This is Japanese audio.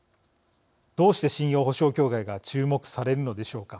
どうして信用保証協会が注目されるのでしょうか。